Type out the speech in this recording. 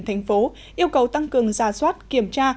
thành phố yêu cầu tăng cường ra soát kiểm tra